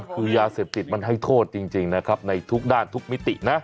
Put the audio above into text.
คือยาเสพติดมันให้โทษจริงนะครับในทุกด้านทุกมิตินะ